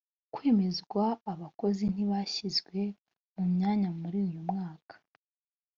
kwemezwa abakozi ntibashyizwe mu myanya muri uyu mwaka